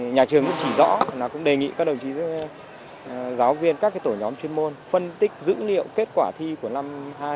nhà trường cũng chỉ rõ là cũng đề nghị các đồng chí giáo viên các tổ nhóm chuyên môn phân tích dữ liệu kết quả thi của năm hai nghìn hai mươi